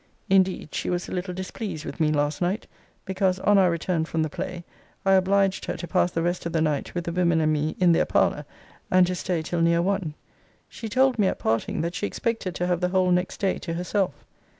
Indeed she was a little displeased with me last night: because, on our return from the play, I obliged her to pass the rest of the night with the women and me, in their parlour, and to stay till near one. She told me at parting, that she expected to have the whole next day to herself.